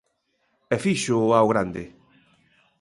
E fíxoo ao grande.